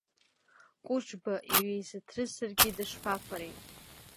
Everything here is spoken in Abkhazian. Кәыҿба иҩеизыҭрысыргьы дышԥафари?!